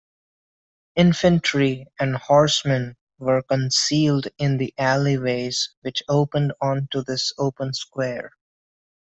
Infantry and horsemen were concealed in the alleyways which opened onto this open square.